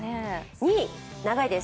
２位、長いです。